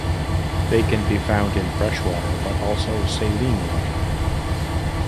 They can be found in freshwater but also saline water.